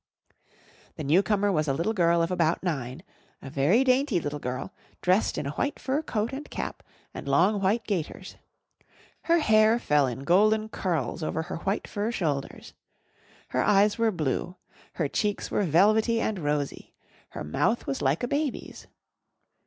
The newcomer was a little girl of about nine a very dainty little girl, dressed in a white fur coat and cap and long white gaiters. Her hair fell in golden curls over her white fur shoulders. Her eyes were blue. Her cheeks were velvety and rosy. Her mouth was like a baby's.